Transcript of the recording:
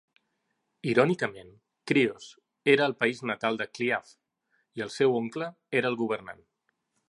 Irònicament, Krios era el país natal de Cliave, i el seu oncle era el governant.